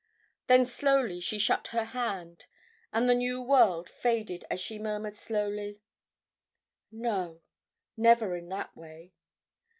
Then slowly she shut her hand, and the new world faded as she murmured slowly, "No, never in that way."